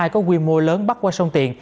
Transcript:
có quy mô lớn bắc qua sông tiền